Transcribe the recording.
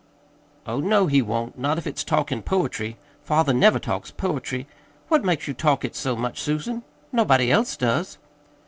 "Oh, no, he won't not if it's talking poetry. Father never talks poetry. What makes you talk it so much, Susan? Nobody else does."